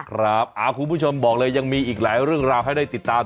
คุณผู้ชมบอกเลยยังมีอีกหลายเรื่องราวให้ได้ติดตาม